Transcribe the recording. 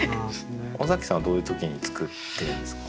尾崎さんはどういう時に作ってるんですか？